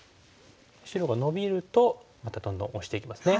白がノビるとまたどんどんオシていきますね。